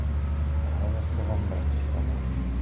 Hrál za Slovan Bratislava.